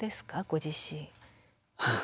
ご自身。